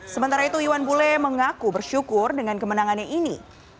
sementara itu iwan bule mengaku bersyukur dengan kemenangannya ini